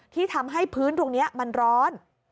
ที่ทำให้พื้นตรงนี้มันร้อน